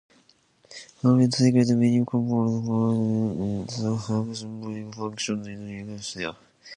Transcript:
Plants secrete many compounds through their roots to serve symbiotic functions in the rhizosphere.